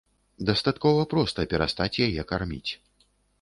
Дастаткова проста перастаць яе карміць.